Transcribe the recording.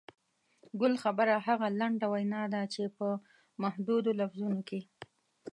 ګل خبره هغه لنډه وینا ده چې په محدودو لفظونو کې.